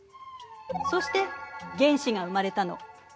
そして原子が生まれたの。